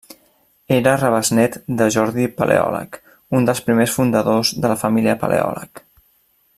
Era rebesnét de Jordi Paleòleg, un dels primers fundadors de la família Paleòleg.